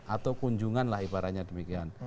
atau kunjungan lah ibaratnya demikian